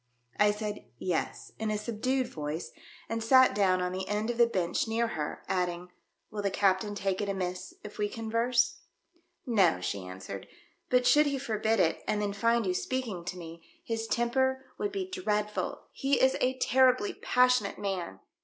I said "Yes," in a subdued voice, and sat down on the end of the bench near her, adding, " Will the captain take it amiss if we converse ?" "No," she answered, "but should he forbid It and then find you speaking to me, his 134 THE DEATH SHIP. temper would be dreadful. He is a terribly passionate man.